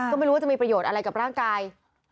ก็ไม่รู้ว่าจะมีประโยชน์อะไรกับร่างกาย